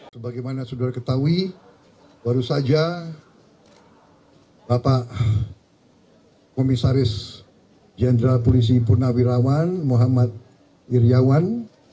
sebagaimana sudah ketahui baru saja bapak komisaris jenderal polisi purnawirawan muhammad iryawan